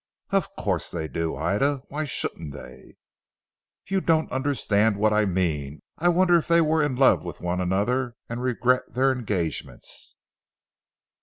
"Of course they do Ida. Why shouldn't they?" "You don't understand what I mean. I wonder if they were in love with one another and regret their engagements."